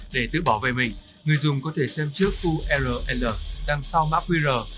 để tự bảo vệ mình người dùng có thể xem trước url đằng sau mark weirer